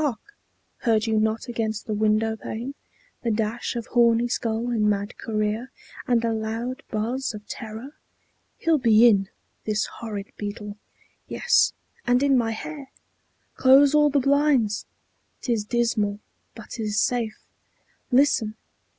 Hark! heard you not against the window pane The dash of horny skull in mad career, And a loud buzz of terror? He'll be in, This horrid beetle; yes, and in my hair! Close all the blinds; 't is dismal, but 't is safe. Listen!